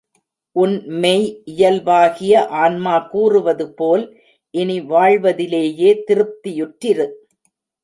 உன் மெய் இயல்பாகிய ஆன்மா கூறுவது போல் இனி வாழ்வதிலேயே திருப்தியுற்றிரு.